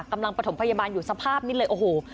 ประถมพยาบาลอยู่สภาพนี้เลยโอ้โห